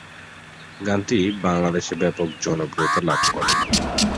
গানটি বাংলাদেশে ব্যপক জনপ্রিয়তা লাভ করে।